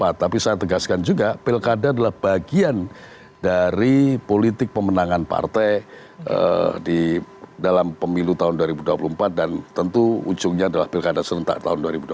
tapi saya tegaskan juga pilkada adalah bagian dari politik pemenangan partai di dalam pemilu tahun dua ribu dua puluh empat dan tentu ujungnya adalah pilkada serentak tahun dua ribu dua puluh